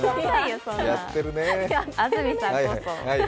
安住さんこそ。